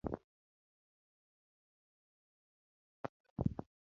Idhi kawo namba achiel.